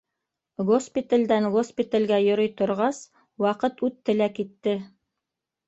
Госпиталдән госпиталгә йөрөй торғас, ваҡыт үтте лә китте.